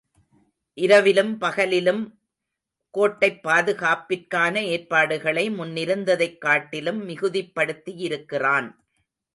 இரவிலும் பகலிலும் கோட்டைப் பாதுகாப்பிற்கான ஏற்பாடுகளை முன்னிருந்ததைக் காட்டிலும் மிகுதிப்படுத்தியிருக்கிறான்.